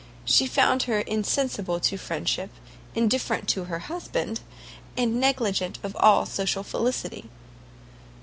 She found her insensible to friendship, indifferent to her husband, and negligent of all social felicity.